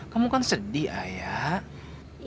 kamu kan sedih ayah